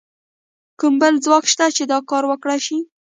کوم بل ځواک شته چې دا کار وکړای شي؟